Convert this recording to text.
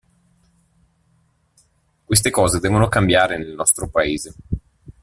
Queste cose devono cambiare nel nostro paese.